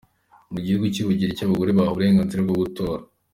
Mu gihugu cy’u Bugereki, abagore bahawe uburenganzira bwo gutora.